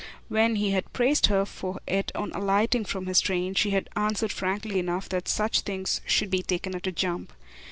When he had praised her for it on alighting from his train she had answered frankly enough that such things should be taken at a jump.